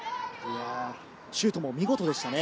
シュートも見事でしたね。